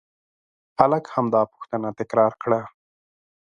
هلک همدا پوښتنه تکرار کړه.